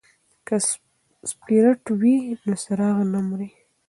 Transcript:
که سپیرټ وي نو څراغ نه مري.